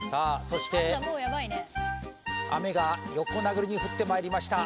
そして雨が横殴りに降ってまいりました